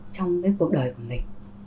trong cái cuộc đời của mình